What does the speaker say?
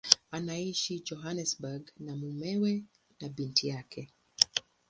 Anaishi Johannesburg na mumewe na binti yake.